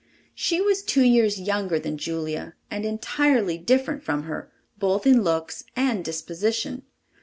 She was two years younger than Julia and entirely different from her, both in looks and disposition.